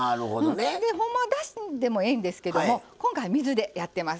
ほんまは、だしでもいいんですが今回、水でやってます。